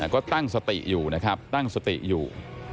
ก็ตั้งสติอยู่นะครับตั้งสติอยู่